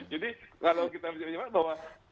jadi kalau kita berjelas jelas bahwa